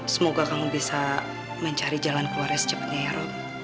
semoga kamu bisa mencari jalan keluar yang setuju